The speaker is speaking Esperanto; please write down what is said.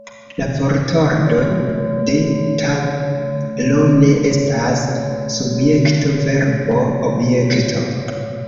La vortordo de "Ta lo ne" estas subjekto-verbo-objekto.